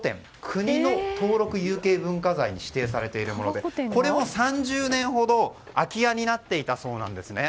国の登録有形文化財に指定されているものでこれも３０年ほど空き家になっていたそうなんですね。